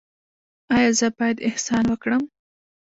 ایا زه باید احسان وکړم؟